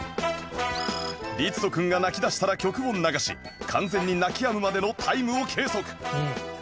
りつと君が泣き出したら曲を流し完全に泣き止むまでのタイムを計測